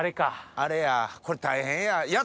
あれやこれ大変や。